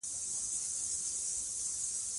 د انګریزي پوځونو شمېر زیاتېده.